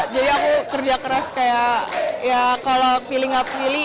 jadi aku kerja keras kayak ya kalau pilih nggak pilih